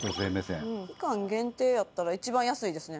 期間限定やったら一番安いですね。